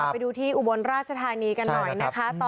ไปดูที่อุบลราชธานีกันหน่อยนะคะ